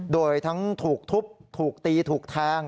โดยทั้งถูกทุบถูกตีถูกแทง